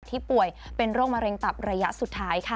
ป่วยเป็นโรคมะเร็งตับระยะสุดท้ายค่ะ